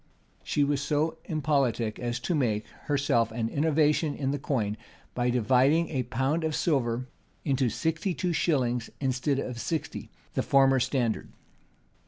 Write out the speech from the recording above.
[] She was so impolitic as to make, herself, an innovation in the coin; by dividing a pound of silver into sixty two shillings, instead of sixty, the former standard.